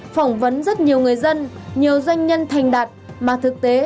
phỏng vấn rất nhiều người dân nhiều doanh nhân thành đạt mà thực tế